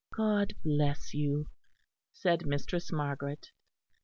"God bless you!" said Mistress Margaret.